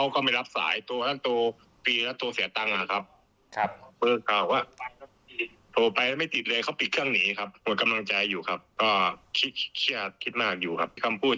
เขาบั่นทอนผมเหลือเกินครับ